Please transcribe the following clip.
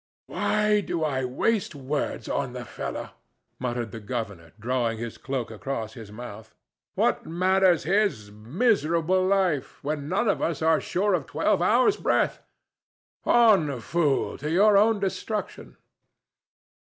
"Why do I waste words on the fellow?" muttered the governor, drawing his cloak across his mouth. "What matters his miserable life, when none of us are sure of twelve hours' breath?—On, fool, to your own destruction!"